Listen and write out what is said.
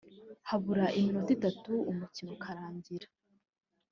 Habura iminota itatu umukino ukarangira